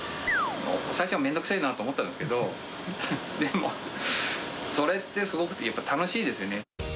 最初はめんどくせぇなと思ったんですけど、でも、それってすごく楽しいですよね。